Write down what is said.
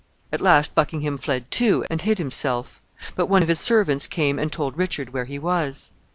At last Buckingham fled too, and hid himself; but one of his servants came and told Richard where he was.